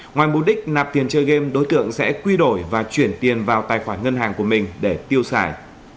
ngoài mục đích nạp tiền chơi game đối tượng sẽ quy đổi và chuyển tiền vào tài khoản ngân hàng của mình để tiêu xài